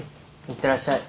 行ってらっしゃい。